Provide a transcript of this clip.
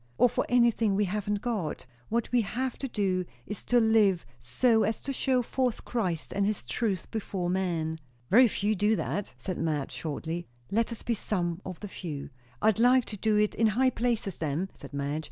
or for anything we haven't got. What we have to do, is to live so as to show forth Christ and his truth before men." "Very few do that," said Madge shortly. "Let us be some of the few." "I'd like to do it in high places, then," said Madge.